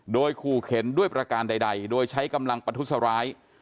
โดยขู่เข็นด้วยประการใดโดยใช้กำลังประทุษร้าย